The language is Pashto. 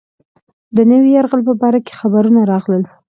د نوي یرغل په باره کې خبرونه راغلل.